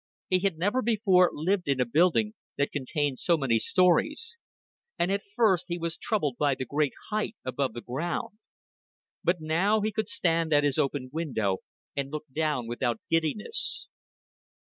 He had never before lived in a building that contained so many stories, and at first he was troubled by the great height above the ground; but now he could stand at his open window and look down without giddiness.